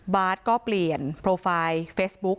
ก็เปลี่ยนโปรไฟล์เฟซบุ๊ค